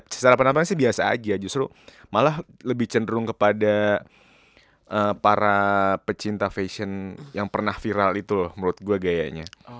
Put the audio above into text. secara penampilan sih biasa aja justru malah lebih cenderung kepada para pecinta fashion yang pernah viral itu loh menurut gue gayanya